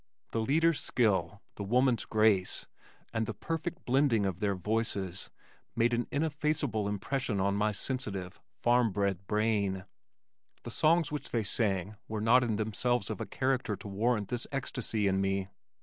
The leader's skill, the woman's grace and the perfect blending of their voices made an ineffaceable impression on my sensitive, farm bred brain. The songs which they sang were not in themselves of a character to warrant this ecstasy in me.